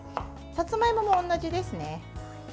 さつまいもも同じですね。